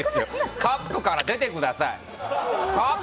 カップから出てください。